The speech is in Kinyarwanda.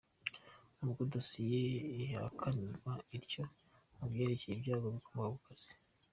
Ubwo dosiye igahakanirwa ityo mu byerekeye ibyago bikomoka ku kazi.